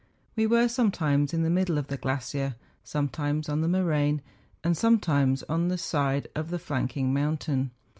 We were sometimes in the middle of the glacier, some¬ times on the moraine, and sometimes on the side of the flanking mountain.